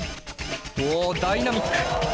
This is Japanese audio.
おダイナミック。